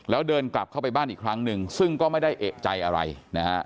แล้วเดินกลับเข้าไปบ้านอีกครั้งหนึ่งซึ่งก็ไม่ได้เอกใจอะไรนะฮะ